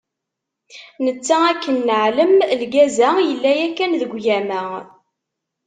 Netta akken neεlem, lgaz-a, yella yakan deg ugama.